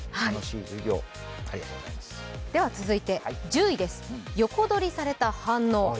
続いて１０位です、横取りされた反応。